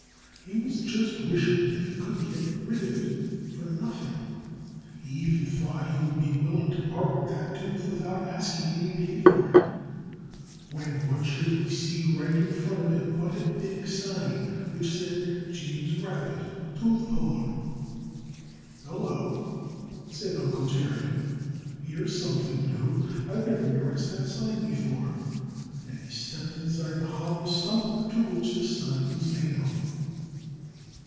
He was just wishing that he could get rid of it for nothing. He even thought he would be willing to part with that tooth without asking any pay for it, when what should he see right in front of him but a big sign, which said: JAMES RABBIT TOOTH PULLER "Hello!" said Uncle Jerry. "Here's something new! I've never noticed that sign before." And he stepped inside the hollow stump to which the sign was nailed.